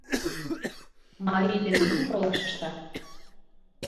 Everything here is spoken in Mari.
Марий дене мом толашышда?